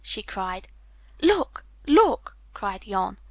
she cried. "Look! Look!" cried Jan.